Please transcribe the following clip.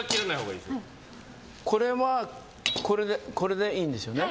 これはこれでいいんですよね。